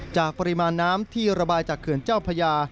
ปริมาณน้ำที่ระบายจากเขื่อนเจ้าพญา